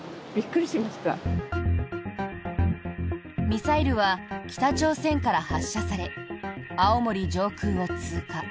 ミサイルは北朝鮮から発射され青森上空を通過。